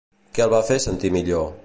Què el va fer sentir millor?